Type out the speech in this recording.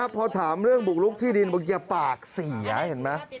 พอถามเรื่องบุกลุกที่ดินบอกอย่าปากเสียเห็นไหม